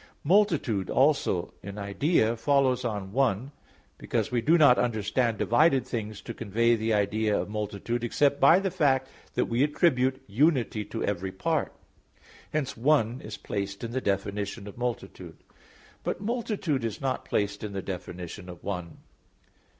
"Multitude" also, in idea, follows on "one"; because we do not understand divided things to convey the idea of multitude except by the fact that we attribute unity to every part. Hence "one" is placed in the definition of "multitude"; but "multitude" is not placed in the definition of "one."